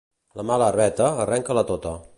La mala herbeta, arrenca-la tota.